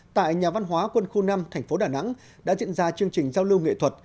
tại nhà văn hóa quân khu năm thành phố đà nẵng đã diễn ra chương trình giao lưu nghệ thuật